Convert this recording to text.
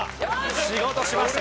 仕事しましたから。